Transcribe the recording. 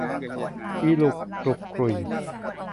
อีหลุกขลุกขลุ่ย